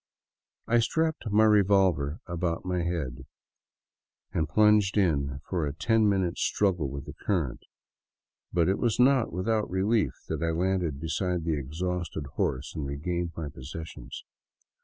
I strapped my revolver about my head and plunged in for a ten minute struggle with the current, but it was not without relief that I landed beside the exhausted horse and regained my possessions.